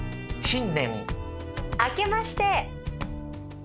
あけまして！